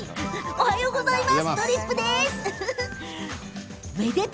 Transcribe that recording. おはようございます！